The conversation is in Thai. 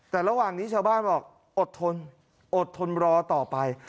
แต่ระหว่างนี้ชาวบ้านบอกอดทนอดทนรอต่อไป